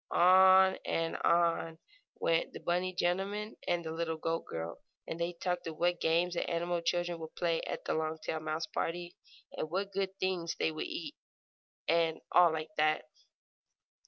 On and on went the rabbit gentleman and the little goat girl, and they talked of what games the animal children would play at the Longtail mouse party, and what good things they would eat, and all like that.